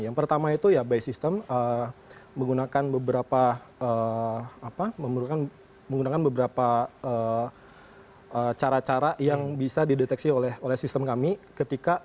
yang pertama itu ya by system menggunakan beberapa cara cara yang bisa dideteksi oleh sistem kami ketika misalkan kita menemukan tadi ya misalkan contoh simpelnya adalah ada merchant kita menaikkan harga yang tidak berhasil